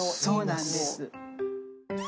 そうなんです。